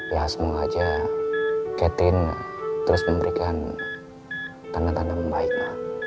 ya semua aja catherine terus memberikan tanda tanda membaik ma